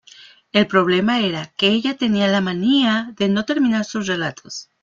El problema era que ella tenía la manía de no terminar sus relatos.